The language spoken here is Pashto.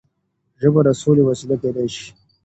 ژبه د سولې وسيله کيدای شي.